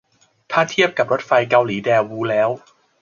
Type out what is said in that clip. ถ้าเทียบกับรถไฟเกาหลีแดวูแล้ว